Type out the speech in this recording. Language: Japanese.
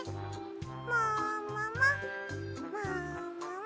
もももももも。